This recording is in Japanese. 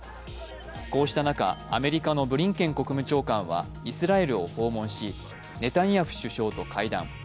こうした中、アメリカのブリンケン国務長官はイスラエルを訪問し、ネタニヤフ首相と会談。